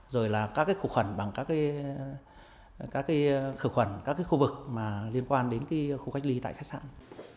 rồi là các khu khuẩn bằng các khu vực liên quan đến khu cách ly tại khách sạn